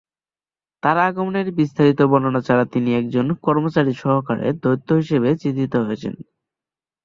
তার আগমনের বিস্তারিত বর্ণনা ছাড়া তিনি একজন কর্মচারী সহকারে দৈত্য হিসেবে চিত্রিত হয়েছেন।